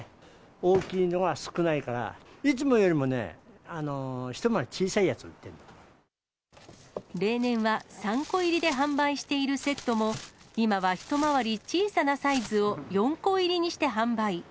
大きいのが少ないからいつもよりもね、例年は３個入りで販売しているセットも、今は一回り小さなサイズを４個入りにして販売。